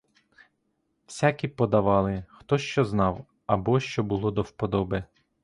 Всякі подавали, хто що знав або що було до вподоби.